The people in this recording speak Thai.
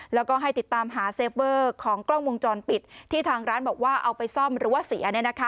แล้วก็ให้ติดตามหาเซฟเวอร์ของกล้องวงจรปิดที่ทางร้านบอกว่าเอาไปซ่อมหรือว่าเสีย